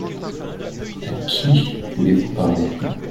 À qui voulez-vous parler ?